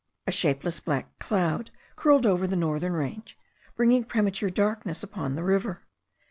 A shapeless black cloud curled over the northern range, bringing premature darkness upon the river.